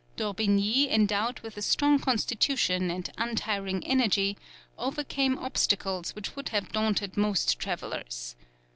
D'Orbigny, endowed with a strong constitution and untiring energy, overcame obstacles which would have daunted most travellers.